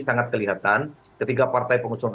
sangat kelihatan ketiga partai pengusung